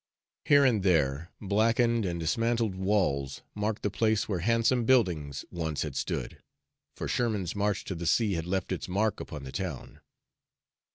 Here and there blackened and dismantled walls marked the place where handsome buildings once had stood, for Sherman's march to the sea had left its mark upon the town.